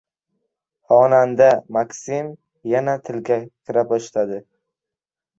Xonanda MakSim yana tilga kira boshladi